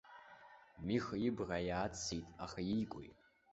Миха ибӷа иааҵсит, аха иикуи.